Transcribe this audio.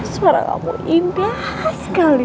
suara kamu indah sekali